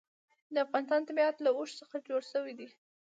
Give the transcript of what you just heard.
د افغانستان طبیعت له اوښ څخه جوړ شوی دی.